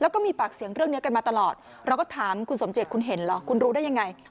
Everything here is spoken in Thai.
แล้วก็มีปากเสียงเรื่องนี้กันมาตลอดเราก็ถามคุณสมเจตคุณเห็นเหรอคุณรู้ได้ยังไง